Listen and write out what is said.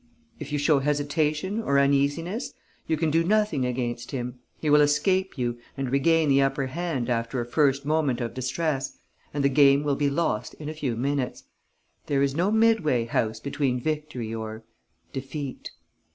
If you show hesitation or uneasiness, you can do nothing against him. He will escape you and regain the upper hand after a first moment of distress; and the game will be lost in a few minutes. There is no midway house between victory or ... defeat.